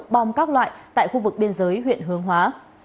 bom các loại tại khu vực biên giới huyện hướng hóa